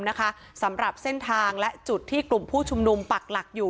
นะคะสำหรับเส้นทางและจุดที่กลุ่มผู้ชุมนุมปักหลักอยู่